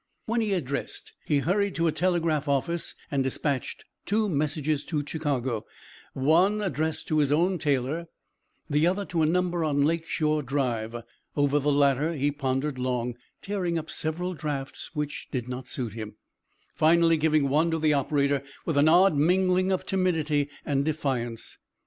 When he had dressed he hurried to a telegraph office and dispatched two messages to Chicago, one addressed to his own tailor, the other to a number on Lake Shore Drive. Over the latter he pondered long, tearing up several drafts which did not suit him, finally giving one to the operator with an odd mingling of timidity and defiance.